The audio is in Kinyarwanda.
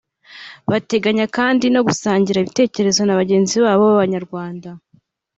Bateganya kandi no gusangira ibitekerezo na bagenzi babo b’Abanyarwanda